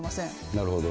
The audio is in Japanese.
なるほど。